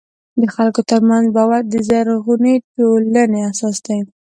د خلکو ترمنځ باور د زرغونې ټولنې اساس دی.